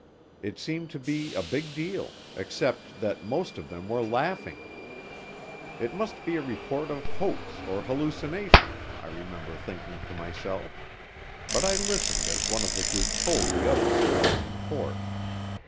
It seemed to be a big deal except that most of them were laughing. It must be a report of hoax or hallucination, I remember thinking to myself, but I listened as one of the group told the others about the report.